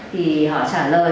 thì họ trả lời